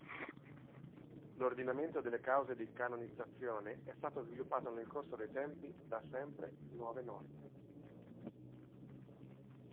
L'Ordinamento delle cause di canonizzazione è stato sviluppato nel corso dei tempi da sempre nuove norme.